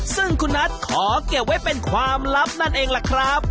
ซึ่งคุณนัทขอเก็บไว้เป็นความลับนั่นเองล่ะครับ